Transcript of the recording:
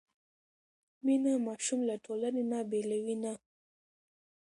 مینه ماشوم له ټولنې نه بېلوي نه.